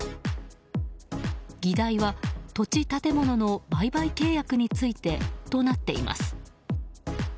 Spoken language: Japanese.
議題は、土地建物の売買契約についてとなっています。